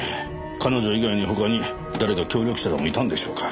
彼女以外に他に誰か協力者でもいたんでしょうか？